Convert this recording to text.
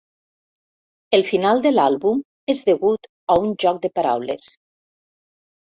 El final de l'àlbum és degut a un joc de paraules.